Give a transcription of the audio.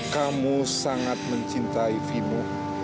kamu sangat mencintai vino